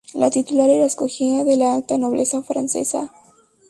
La titular era escogida de la alta nobleza francesa.